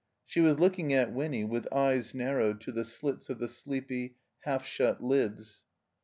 She was looking at Winny with eyes narrowed to the slits of the sleepy, half shut lids.